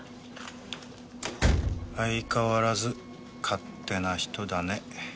相変わらず勝手な人だね。